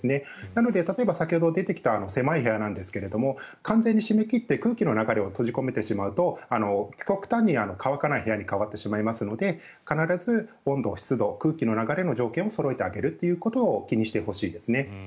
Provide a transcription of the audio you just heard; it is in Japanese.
なので例えば、先ほど出てきた狭い部屋なんですが完全に締め切って空気の流れを閉じ込めてしまうと極端に乾かない部屋に変わってしまいますので必ず温度、湿度、空気の流れの条件をそろえてあげるということを気にしてほしいですね。